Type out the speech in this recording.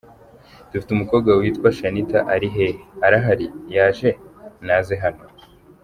Dufite umukobwa witwa Shanitah, ari hehe, arahari, yaje?, Naze hano.